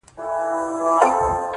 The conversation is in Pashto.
منصوري کریږه یم له داره وځم.